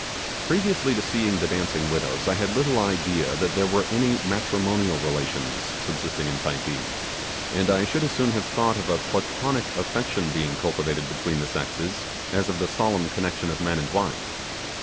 Previously to seeing the Dancing Widows I had little idea that there were any matrimonial relations subsisting in Typee, and I should as soon have thought of a Platonic affection being cultivated between the sexes, as of the solemn connection of man and wife.